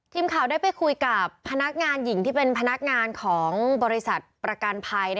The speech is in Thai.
ทีมข่าวได้ไปคุยกับพนักงานหญิงที่เป็นพนักงานของบริษัทประกันภัย